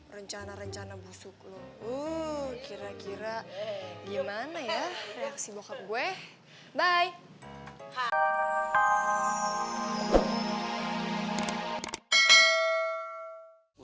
rencana rencana busuk lo uh kira kira gimana ya reaksi bokap gue bye